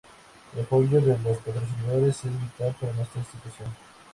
El apoyo de los patrocinadores es vital para nuestra institución.